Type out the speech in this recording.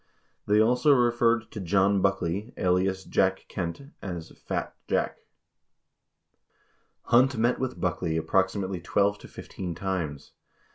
They also referred to John Buckley, alias Jack Kent, as "Fat Jack." 32 Hunt met with Buckley approximately twelve to fifteen times.